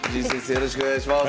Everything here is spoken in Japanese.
よろしくお願いします。